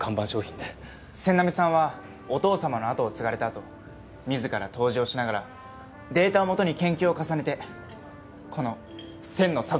千波さんはお父様の跡を継がれたあと自ら杜氏をしながらデータを基に研究を重ねてこの「千のさざ波」を作った。